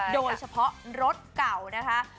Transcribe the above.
โดยเฉพาะรถเก่านะคะ